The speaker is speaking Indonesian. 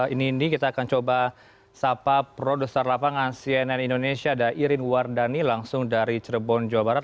ini ini kita akan coba sapa produser lapangan cnn indonesia ada irin wardani langsung dari cirebon jawa barat